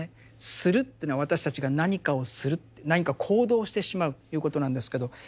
「する」というのは私たちが何かをするって何か行動をしてしまうということなんですけど。